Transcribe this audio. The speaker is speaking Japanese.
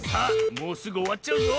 もうすぐおわっちゃうぞ。